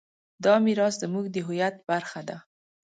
دا میراث زموږ د هویت برخه ده.